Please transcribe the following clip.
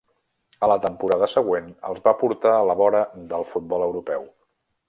A la temporada següent els va portar a la vora del futbol europeu.